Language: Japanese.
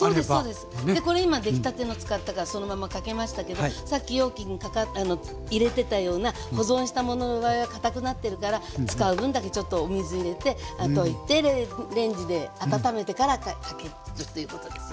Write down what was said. これ今出来たての使ったからそのままかけましたけどさっき容器に入れてたような保存したものの場合は堅くなってるから使う分だけちょっとお水入れてレンジで温めてからかけるということですよね。